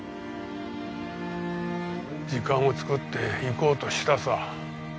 時間を作って行こうとしたさ。